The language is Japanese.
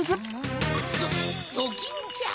ドキンちゃん？